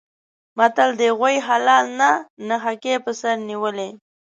متل دی: غوایه حلال نه نښکي په سر نیولي.